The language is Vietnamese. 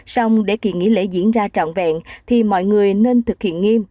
xong để kỳ nghỉ lễ diễn ra trọn vẹn thì mọi người nên thực hiện nghiêm